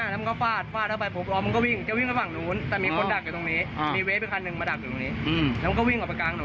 แล้วมันก็วิ่งออกไปกลางข้างหน่อยเลยครับ